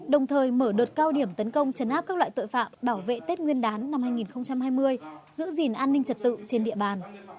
đồng thời mở đợt cao điểm tấn công chấn áp các loại tội phạm bảo vệ tết nguyên đán năm hai nghìn hai mươi giữ gìn an ninh trật tự trên địa bàn